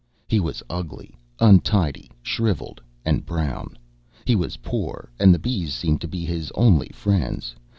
He was ugly, untidy, shrivelled, and brown. He was poor, and the bees seemed to be his only friends.